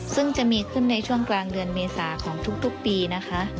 ซึ่งจะมีขึ้นในช่วงกลางเดือนเมษาของทุกปีนะคะ